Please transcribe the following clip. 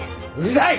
うるさい！